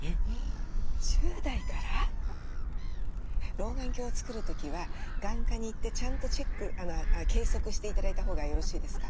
老眼鏡を作る時は眼科に行ってちゃんとチェック計測して頂いたほうがよろしいですか？